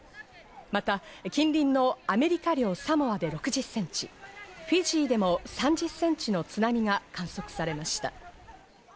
また近隣のアメリカ領サモアで６０ｃｍ、フィジーでも３０センチの津波が観測されました。